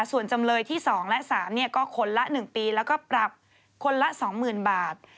ส่วนจำเลยที่๒และ๓ก็คนละ๑ปีแล้วก็ปรับคนละ๒๐๐๐บาท